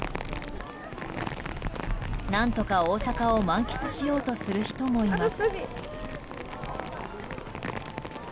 何とか大阪を満喫しようとする人もいます。